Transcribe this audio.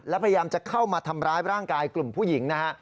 และพยายามจะเข้ามาทำร้ายร่างกายกลุ่มผู้หญิงนะฮะ